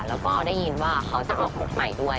แล้วก็ได้ยินว่าเขาจะออกรถใหม่ด้วย